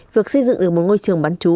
việc xây dựng được một ngôi trường bán chú